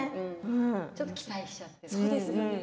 ちょっと期待しちゃった。